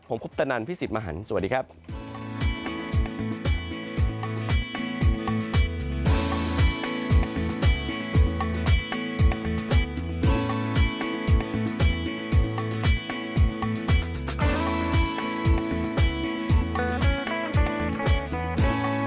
ผมคุปตนันพี่สิทธิ์มหันฯสวัสดีครับ